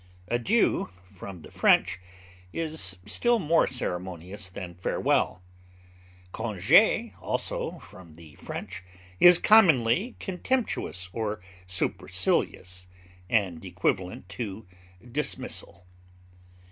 Adieu, from the French, is still more ceremonious than farewell; congé, also from the French, is commonly contemptuous or supercilious, and equivalent to dismissal.